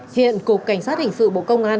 hiện cục cảnh sát hình sự bộ công an